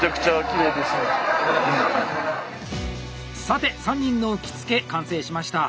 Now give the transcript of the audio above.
さて３人の着付完成しました！